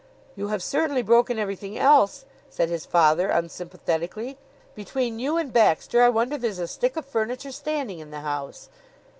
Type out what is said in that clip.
"You have certainly broken everything else," said his father unsympathetically. "Between you and Baxter, I wonder there's a stick of furniture standing in the house."